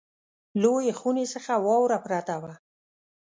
لویې خونې څخه واوره پرته وه.